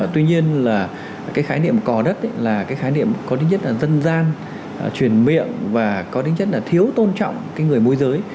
tuy nhiên là cái khái niệm cò đất là cái khái niệm có tính nhất là dân gian truyền miệng và có tính chất là thiếu tôn trọng cái người môi giới